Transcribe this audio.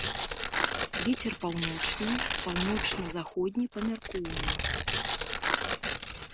Вецер паўночны, паўночна-заходні памяркоўны.